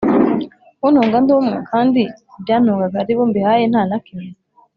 kuntunga ndi umwe? Kandi ibyantungaga ari bo mbihaye nta na kimwe